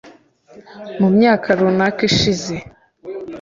mu myaka runaka ishize